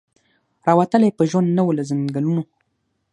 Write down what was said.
را وتلی په ژوند نه وو له ځنګلونو